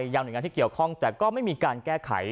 ยังหน่วยงานที่เกี่ยวข้องแต่ก็ไม่มีการแก้ไข